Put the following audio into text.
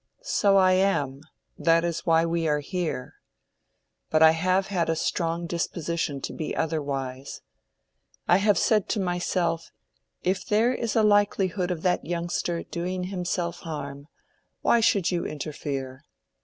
"So I am; that is why we are here. But I have had a strong disposition to be otherwise. I have said to myself, 'If there is a likelihood of that youngster doing himself harm, why should you interfere?